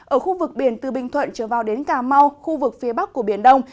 ở khu vực biển từ bình thuận trở vào đến cà mau khu vực phía bắc của biển đông